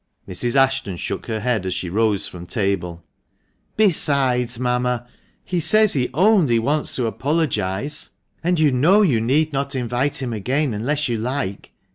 Mrs. Ashton shook her head as she rose from table. " Besides, mamma, he says he only wants to apologise, and you know you need not invite him again unless you like.